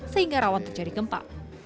sehingga rawat terjadi gempa